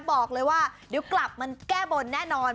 บอกเลยว่าเดี๋ยวกลับมาแก้บนแน่นอน